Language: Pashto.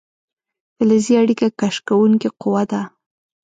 فلزي اړیکه کش کوونکې قوه ده.